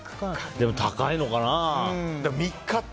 でも高いのかな。